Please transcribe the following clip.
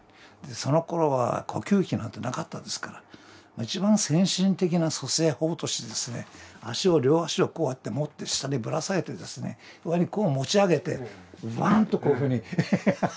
そのころは呼吸器なんてなかったですから一番先進的な蘇生法としてですね両足をこうやって持って下にぶらさげてですね上にこう持ち上げてバンとこういうふうに。